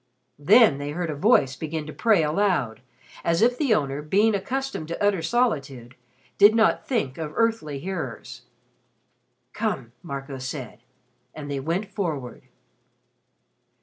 Then they heard a voice begin to pray aloud, as if the owner, being accustomed to utter solitude, did not think of earthly hearers. "Come," Marco said. And they went forward.